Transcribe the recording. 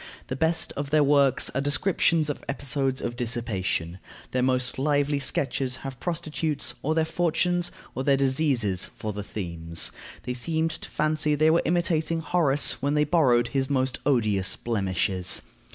The best of their works are descriptions of episodes of dissipation; their most lively sketches have prostitutes, or their fortunes, or their diseases, for the themes. They seemed to fancy they were imitating Horace when they borrowed his most odious blemishes.